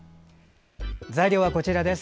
材料は、こちらです。